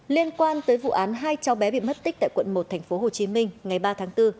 liên quan tới vụ án hai cháu bé bị mất tích tại quận một tp hcm ngày ba tháng bốn